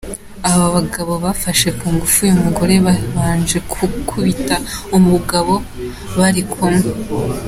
Aba bagabo bafashe ku ngufu uyu mugore babanje gukubita umugabo bari kumwe.